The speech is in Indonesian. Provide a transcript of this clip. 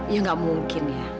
ya gak mungkin ya